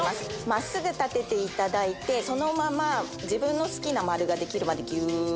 真っすぐ立てていただいて自分の好きな丸ができるまでギュ！